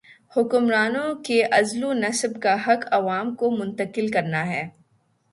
حکمرانوں کے عزل و نصب کا حق عوام کو منتقل کرنا ہے۔